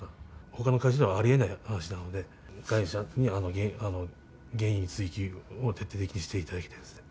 ほかの会社ではありえない話なので、会社に原因追及を徹底的にしていただきたいですね。